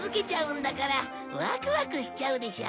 ワクワクしちゃうでしょ？